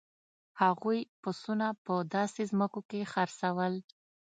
هغوی پسونه په داسې ځمکو کې څرول.